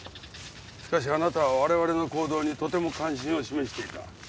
しかしあなたは我々の行動にとても関心を示していた。